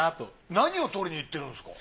何をとりに行ってるんですか？